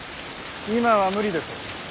今は無理です。